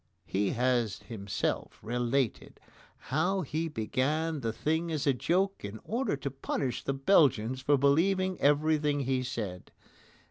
He has himself related how he began the thing as a joke in order to punish the Belgians for believing everything he said.